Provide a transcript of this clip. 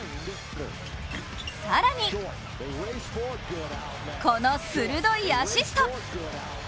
更にこの鋭いアシスト！